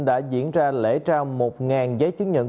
đã diễn ra lễ trao một giấy chứng nhận